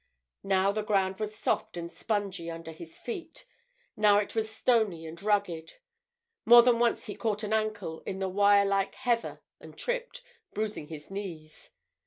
Now the ground was soft and spongy under his feet; now it was stony and rugged; more than once he caught an ankle in the wire like heather and tripped, bruising his knees.